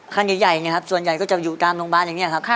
คันใหญ่นะครับส่วนใหญ่ก็จะอยู่ตามโรงพยาบาลอย่างนี้ครับ